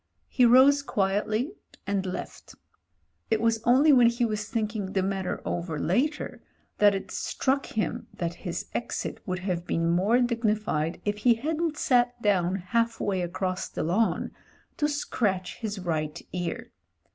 He rose quietly, and left. It was c«ily when he was thinking the matter over later that it struck him that his exit would have been more dignified if he hadn't sat down halfway across the lawn to scratch his right ear.